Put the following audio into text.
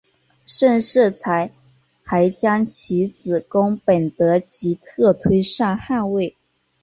盛世才还将其子恭本德吉特推上汗位。